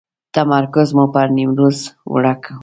تمرکز مو پر نیمروز وکړ.